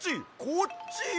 こっちよ！